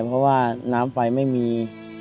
เพราะว่าน้ำไฟไม่มี